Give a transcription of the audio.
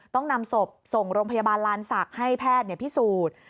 ต้องนำศพส่งโรงพยาบาลลานศักดิ์ให้แพทย์พิสูจน์